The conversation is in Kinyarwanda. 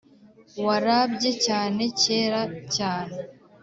warabye cyane kera cyane